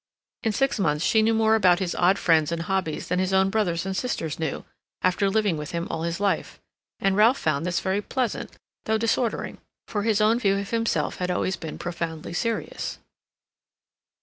In six months she knew more about his odd friends and hobbies than his own brothers and sisters knew, after living with him all his life; and Ralph found this very pleasant, though disordering, for his own view of himself had always been profoundly serious.